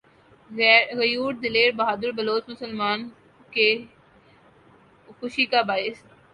غیور دلیر بہادر بلوچ مسلمان کے لیئے وہ خوشی کا دن تھا